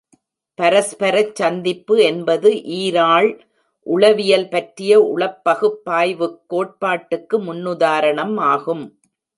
பரஸ்பரச் சந்திப்பு என்பது ஈராள் உளவியல் பற்றிய உளப்பகுப்பாய்வுக் கோட்பாடுக்கு முன்னுதாரணம் ஆகும்.